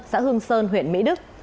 xã hương sơn huyện mỹ đức